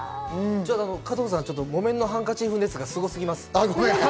加藤さん、『木綿のハンカチーフ』熱がすごすぎます。